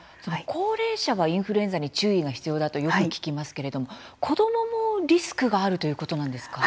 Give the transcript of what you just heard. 高齢者はインフルエンザに注意が必要だとよく聞きますけれども子どももリスクがあるということなんですか？